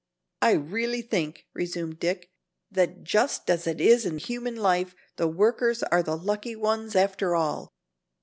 "I really think," resumed Dick, "that just as it is in human life, the workers are the lucky ones after all.